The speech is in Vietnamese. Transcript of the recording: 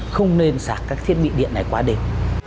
không nên sạc các thiết bị điện này qua đêm